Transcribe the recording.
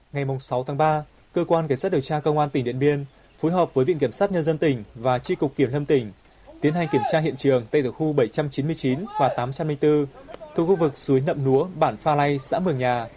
ngày sáu tháng ba cơ quan cảnh sát điều tra công an tỉnh điện biên phối hợp với viện kiểm sát nhân dân tỉnh và tri cục kiểm lâm tỉnh tiến hành kiểm tra hiện trường tur bảy trăm chín mươi chín và tám trăm linh bốn thuộc khu vực suối nậm núa bản pha la lây xã mường nhà